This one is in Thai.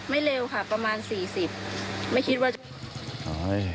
ไม่เร็วค่ะประมาณ๔๐